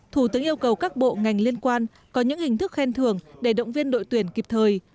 thủ tướng yêu cầu các bộ ngành liên quan có những hình thức khen thưởng để động viên đội tuyển kịp thời